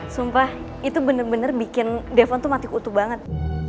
sumpah itu bener bener bikin depon tuh mati kutu banget